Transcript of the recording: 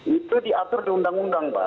itu diatur di undang undang pak